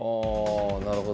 なるほど。